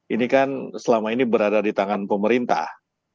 ini kan selama ini berada di tangan pemerintah